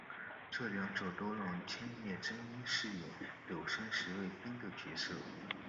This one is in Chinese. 这两者都让千叶真一饰演柳生十兵卫的角色。